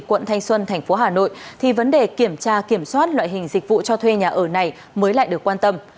quận thanh xuân thành phố hà nội thì vấn đề kiểm tra kiểm soát loại hình dịch vụ cho thuê nhà ở này mới lại được quan tâm